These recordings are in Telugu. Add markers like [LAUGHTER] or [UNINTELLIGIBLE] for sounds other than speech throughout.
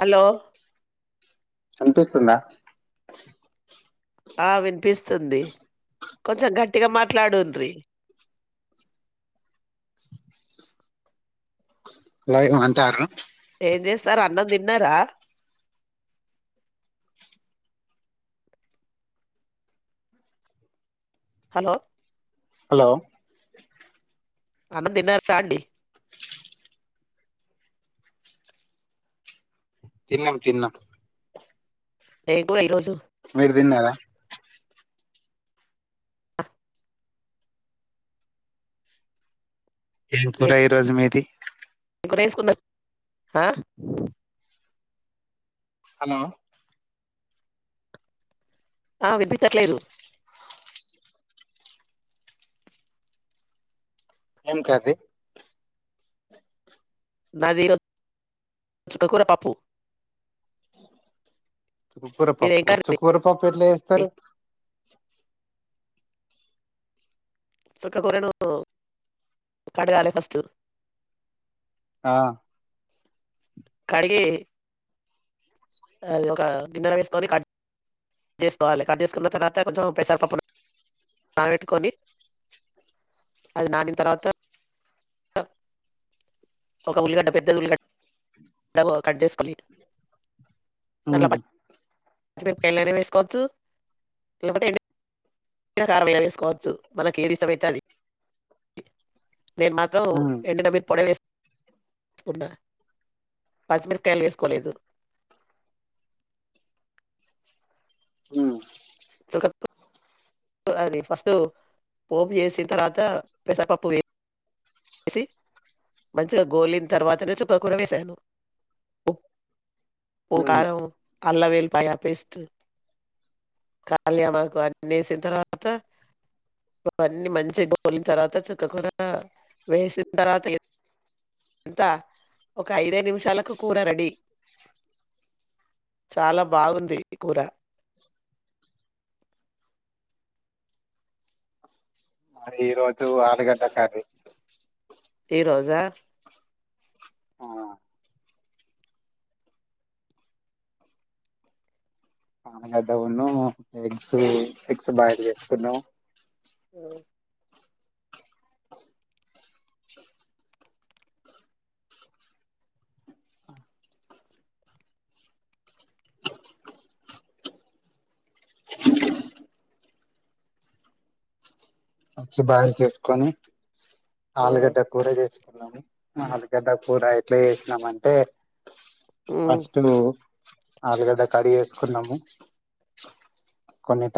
హలో వినిపిస్తుందా ఆ వినిపిస్తుంది కొంచెం గట్టిగా మాట్లాడుంరి లైవ్ అంటారు ఏం చేస్తారు అన్నం తిన్నారా హలో హలో అన్నం తిన్నారా అండి తిన్నాం తిన్నాం ఏం కూర ఈరోజు మీరు తిన్నారా ఏం కూర ఈ రోజు మీది ఏం కూర చేసుకున్నారు ఆ హలో ఆ వినిపించట్లేదు ఏం కర్రి నాది ఈరోజు సుక్కకూర పప్పు మీది ఏం చుక్కుకూరపప్పు కర్రీ చుక్కురపప్పు ఎట్లా చేస్ స్థారు చుక్క కూరను కడగాలి ఫస్ట్ ఆ కడిగి అది ఒక గిన్నెర వేసుకొని కట్ చేసుకోవాలి కట్ చేసుకున్న తర్వాత కొంచెం పెసరపప్పులు నానబెట్టుకొని అది నానిన తర్వాత ఒక ఉల్లిగడ్డ పెద్ద ఉల్లిగడ్డ కట్ చేసుకోవాలి ఆ పచ్చి మిరపకాయలునే వేసుకోవచ్చు లేదా కారం వేసుకోవచ్చు మనకి ఏది ఇష్టం అయితే అది నేను మాత్రం ఉమ్ ఎండు మిరప పొడి వేస్తా కు పచ్చిమిరపకాయలు వేసుకోలేదు ఆ చ అది ఫస్ట్ పోపు చేేసిన తర్వాత పెసరపప్పు వే వేసి మంచిగా గోలిన తర్వాతనే చుక్క కూర వేసాను ఉప్పు ఉమ్ కారం అల్లం వెల్లుల్లిపాయ పేస్టు కాల్యం ఆకు అన్ని వేసిన తర్వాత ఇవన్నీ మంచిగా గోలిన తర్వాత చుక్కకూర వేసిన తర్వాత ఎంత ఒక ఐదే నిమిషాలకు కూర రెడీ చాలా బాగుంది కూర మరి ఈ రోజు ఆలు గడ్డ కర్రీ ఈరోజా ఆ ఆలు గడ్డ ఉన్ను ఎగ్స్ ఎగ్స్ బాయిల్ చేేసుకున్నాము ఓ వచ్చి బాయిల్ చేసుకొని ఆలుగడ్డ కూర చేసుకున్నాను ఆలుగడ్డ కూరా ఎట్లా చేసినాము అంటే ఉమ్, ఫస్టూ ఆలుగడ్డ కడిగి వేసుకున్నాము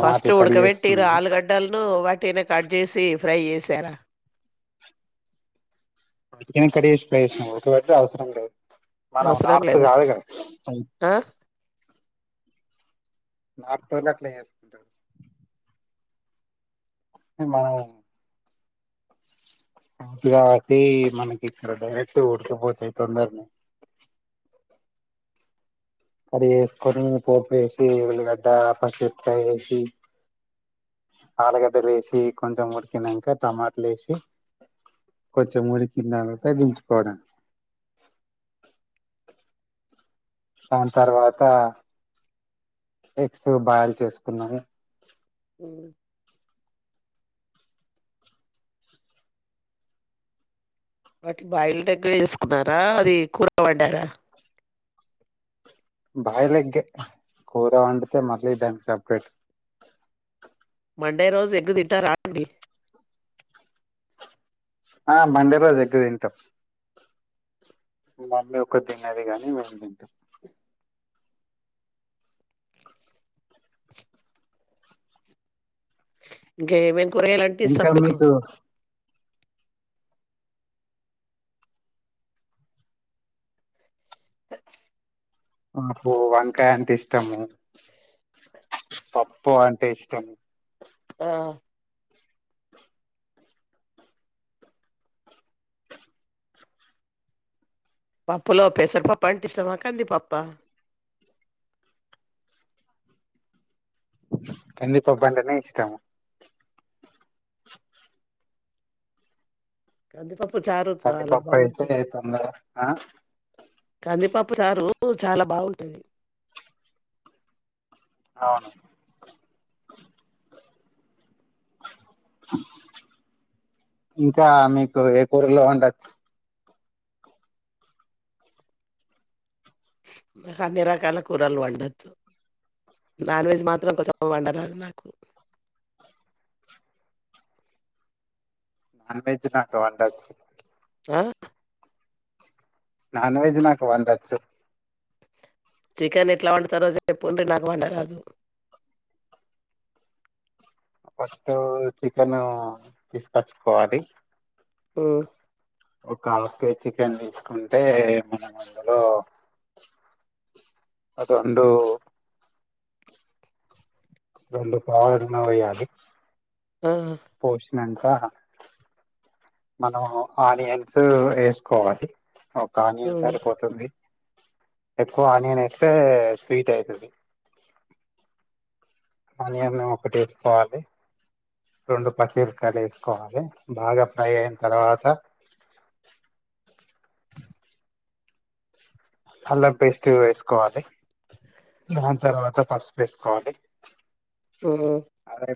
ఫస్ట్ ఉడకబెట్టిన ఆలుగడ్డలను వాటినే కట్ చేసి ఫ్రై చేసారా కెను కడిగీ ఫ్రై చేసినం ఉడకపెడితే అవసరం లేదు మనం అవసరం నార్త్ లేదా కాదు కదా ఆ నార్త్ ల్లే అట్లా చేసుకుంటరు మనం ఇలాసి మనకి ఇక్కడ డైరెక్ట్ ఉడికపోతాయి తొందరనే కడి వేసుకొని పోపు వేసి ఉల్లిగడ్డ, పచ్చిమిరపకాయ వేసి, ఆలుగడ్డలు వేసి, కొంచెం ఉడికినంక, టమాటలు వేసి, కొంచెం ఉడికినంకా దించుకోవడం. దాని తర్వాత ఎగ్స్ బాయిల్ చేసుకున్నామే ఉ వాటి బాయిల్ దగ్గర వేసుకున్నారా అది కూరబడ్డారా బాయిల్ ఎగ్గే కూర వండితే మళ్ళీ దానికి సపరేట్ మండే రోజు ఎగ్ తింటారా అండి ఆ మండే రోజు ఎగ్ తింటాం మమ్మీ ఒక్క తిన్నేది కానీ మేము తింటాం ఏమైన్ ఇంకా మీకు పప్పు వంకాయ అంటే ఇష్టము పప్పు అంటే ఇష్టము ఆ పప్పులో పెసరు పప్పు అంటే ఇష్టమా కంది పప్పా కంది పప్పు అంటేనే ఇష్టము కంది పప్ కంది పప్పు అయితే తొందరన కందిపపపు సారు చాలా బాగుంటుంది అవును ఇంకా మీకు ఏ కూరలో ఉండది నాకు అన్ని రకాల కూరలు వండొద్దు నాన్ వెెజ్ మాత్రం కొంచెం వండరాదు నాకు నాన్ వెెజ్ నాకు వండచ్చు ఆ నాన్ వెజ్ నాకు వండచ్చు చికెన్ ఎట్లా వండుతారో చెప్పుండ్రి నాకు వండరాదు ఫస్ట్ చికెన్ తీసుకచ్చుకోవాలి ఉ ఒక హాఫ్ కేేజ్ చికెన్ తీసుకుంటే మనం అందులో అదండు రెండు పావుల నూనె పోయాలి. ఆ నంకా మనం ఆనియన్స్ వేసుకోవాలి. కానీ ఏం ఉమ్. సరిపోతుంది? ఎక్కువ ఆనియన్ ఏస్తే స్వీట్ అయితది. అనియన్ ఒక్కటి ఏసుకోవాలి, రెండు పచ్చిమిర్పకాయలు వేసుకోవాలె. బాగా ఫ్రై అయిన తర్వాత [INAUDIBLE] అల్లం పేస్ట్ ఎస్కోవాలె, దాని తర్వాత పసుపు ఏస్కోవాలి. ఉమ్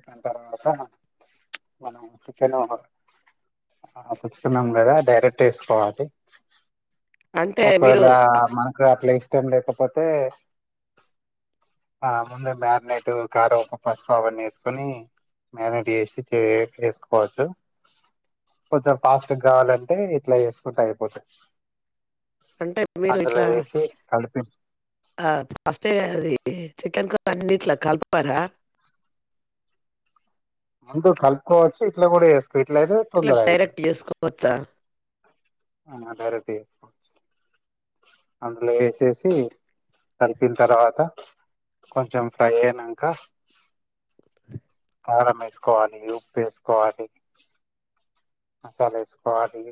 దాని తర్వాత మనం చికెను, ఆ తెచ్చుకున్నాం కదా డైరెక్ట్ ఏస్కోవాలి. అంటే మీరు? మనకు అట్లా ఇష్టం లేకపోతే, ఆ ముందు మ్యారినేట్ కారం, ఉప్పు, పసుపు అవన్నీ ఏసుకొని మ్యారినేట్ చేసి చే ఏసుకోవచ్చు. కొంచెం ఫాస్ట్ గా కావాలంటే ఇట్లా ఏసుకుంటే అయిపోతది. అంటే అందులో వేసి కలుప్ [INAUDIBLE] ఆ ఫస్టే అది ఏ చికెన్ [UNINTELLIGIBLE] అన్నిట్లా కల్పుకోరా? ముందు కల్పుకోవచ్చు ఇట్ల కూడా చేస్ ఎట్ల డైరెక్ట్ గ ఏసుకోవచ్చా? ఆ డైరెక్ట్ ఏసుకోవచ్చు, అందులో ఏసేసి కలిపిన్తర్వాత కొంచెం ఫ్రై అయినంక కారమేస్కోవాలి, ఉప్పెస్కోవాలి. మసాలా ఎసుకోవాలి,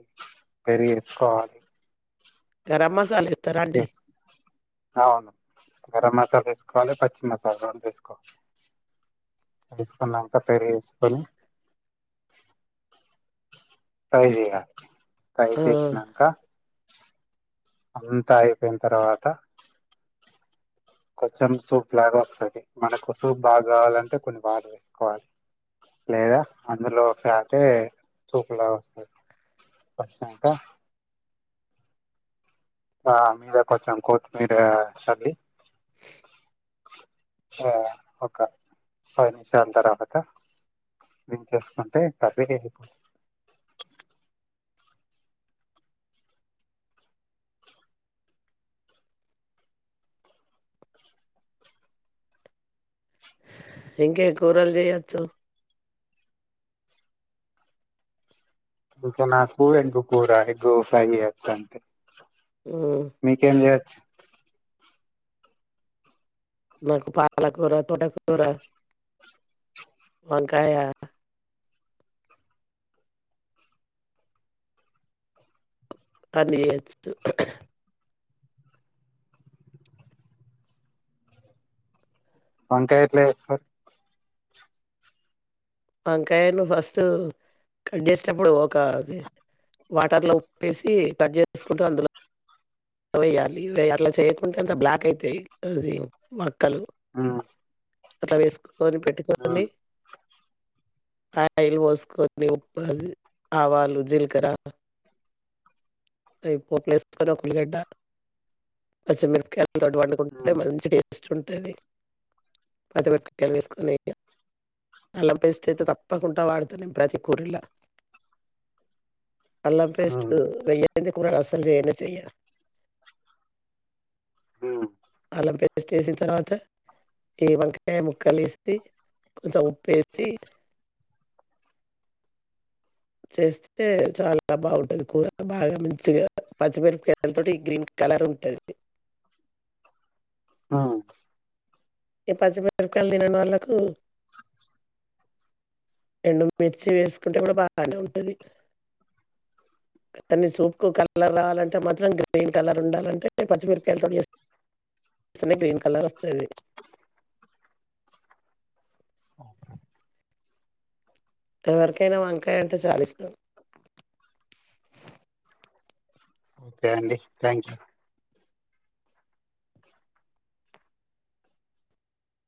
పెరుగెస్కోకోవాలి. గరం మసాలే ఎస్, అవును గరం మసాల ఏసుకోవాలె, పచ్చి మసాలా గుడ ఏసుకోవాలి. ఏసుకున్నంకా పెరుగేసుకొని ఫ్రై జేయాలె. ఫ్రై ఆ! చేసినాంక అంతా అయిపోయిన్తర్వాత, కొంచెం సూప్ లాగా వస్తది, మనకు సూప్ బాగ కావాలంటే కొన్ని వాటర్ ఏసుకోవాలి, లేదా అందులో ఫ్యాటే సూపు లాగ వస్తది. వచ్చినంక ఆ మీద కొంచెం కోతిమీర చల్లి ఆ ఒక పది నిమిషాల తర్వాత దించేసుకుంటే కర్రి అయిపోతది. ఇంకే కూరలు చేయచ్చు? ఇంక నాకు ఎగ్గు కూర, ఎగ్గు ఫ్రై చేయొచ్చు అంతే. హ్మ్. మీకేం చేయొచ్చు? నాకు పాలకూర, తోటకూర, వంకాయ అన్ని చేయొచ్చు. వంకాయ ఎట్ల జేస్తర్? వంకాయను ఫస్ట్ కట్ చేసేటప్పుడు ఒక వాటర్లో ఉప్పేసి, కట్ చేసుకుంటూ అందులో వేయాలి. వే అట్ల చేయకుంటే అంత బ్లాక్ అయితయి అది మక్కలు. ఉమ్ అట్ల వేస్కు తోని పెట్టుకోని అయిల్ వోసుకొని ఉప్పు ఆవాలు జీలకర అవి పోపులు ఎసుకొని ఒక ఉలిగడ్డ పచ్చిమిరకాయలు వండుకుంటుంటే మ్మ్ మంచి టేస్ట్ ర్చుంటది పచ్చిమిరపకాయలు వేసుకొని అల్లం పేస్ట్ అయితే తప్పకుండా వాడుతా నేను ప్రతి కూరలా అల్లం పేస్ట్ మ్మ్ వెయ్య లేంది కూరలు అసలు చేయనే చేయ ఉ అల్లం పేస్ట్ ఎసిన్ తర్వాత ఈ వంకాయ ముక్కలు యేసి కొంచెం ఉప్పు ఎసి చేస్తే చాలా బాగుంటది కూర బాగా మంచిగా పచ్చిమిరపకాయల తోటి గ్రీన్ కలర్ ఉంటంది ఉ ఈ పచ్చిమిరుపకాయలు తిన నోళ్ళకు ఎండు మిర్చి వేసుకుంటే కూడా బానే ఉంటది కని సూపుకు కలర్ రావాలంటే మాత్రం గ్రీన్ కలర్ ఉండాలంటే పచ్చిమిరుపకాయలుతోటి చేస్తే గ్రీన్ కలర్ వస్తది ఎవరికైనా వంకాయ అంటే చాలిస్టాం ఓకే అండి థ్యాంక్ యూ